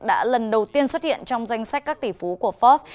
đã lần đầu tiên xuất hiện trong danh sách các tỷ phú của forb